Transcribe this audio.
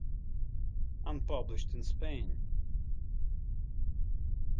Unpublished in Spain.